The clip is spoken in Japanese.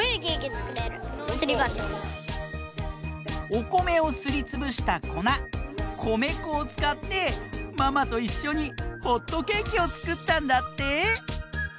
おこめをすりつぶしたこなこめこをつかってママといっしょにホットケーキをつくったんだって！